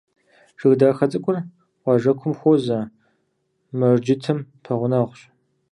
Жыг хадэ цӏыкӏур къуажэкум хуозэ, мэжджытым пэгъунэгъущ.